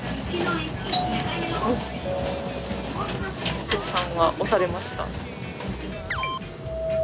お父さんが押されました。